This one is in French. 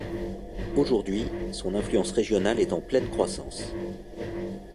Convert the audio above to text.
Aujourd'hui, son influence régionale est en pleine croissance.